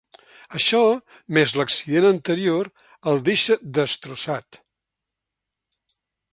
Això, més l'accident anterior, el deixa destrossat.